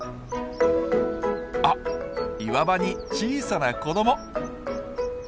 あっ岩場に小さな子ども！